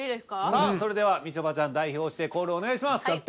さあそれではみちょぱちゃん代表してコールをお願いします。